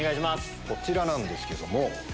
こちらなんですけども。